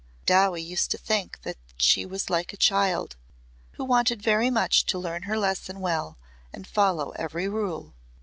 Dowie used to think that she was like a child who wanted very much to learn her lesson well and follow every rule.